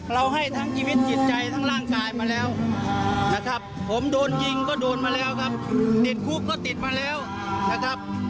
ให้ทั้งชีวิตจิตใจทั้งร่างกายมาแล้วนะครับผมโดนยิงก็โดนมาแล้วครับติดคุกก็ติดมาแล้วนะครับ